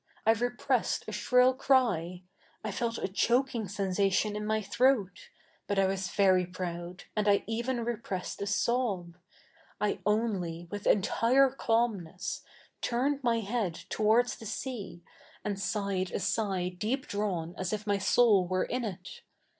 I 7 ep7 essed a shrill C7y. I felt a choki7ig sensation in 7ny throat ; but I ivas ve7y proud, a7id I even rep7'essed a sob. I only, with enti7'e cabnness, turned 7?iy head towards the sea, a7id sighed a sigh deep drawn as if my soul were i7i it.